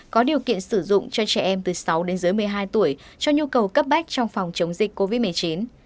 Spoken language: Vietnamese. có điều kiện sử dụng cho trẻ em từ sáu đến dưới một mươi hai tuổi cho nhu cầu cấp bách trong phòng chống dịch covid một mươi chín